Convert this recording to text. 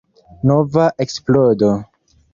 Nova eksplodo.